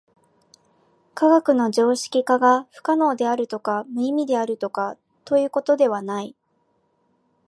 科学の常識化が不可能であるとか無意味であるとかということではない。